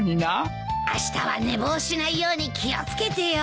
あしたは寝坊しないように気を付けてよ。